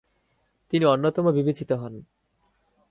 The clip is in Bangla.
তিনি অন্যতম বিবেচিত হন।